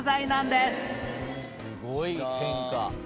すごい変化。